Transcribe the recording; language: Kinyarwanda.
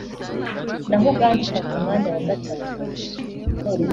naho Uganda ifata umwanya wa gatatu